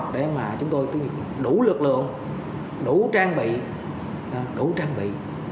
để mà chúng tôi đủ lực lượng đủ trang bị đủ trang bị